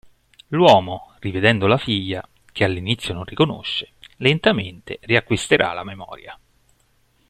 L'uomo, rivedendo la figlia, che all'inizio non riconosce, lentamente riacquisterà la memoria.